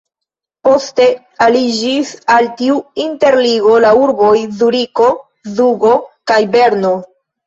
Poste aliĝis al tiu interligo la urboj Zuriko, Zugo kaj Berno.